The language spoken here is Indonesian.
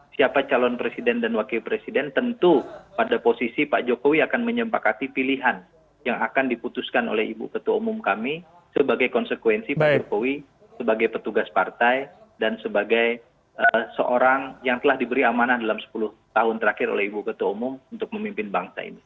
siapa calon presiden dan wakil presiden tentu pada posisi pak jokowi akan menyempakati pilihan yang akan diputuskan oleh ibu ketua umum kami sebagai konsekuensi pak jokowi sebagai petugas partai dan sebagai seorang yang telah diberi amanah dalam sepuluh tahun terakhir oleh ibu ketua umum untuk memimpin bangsa ini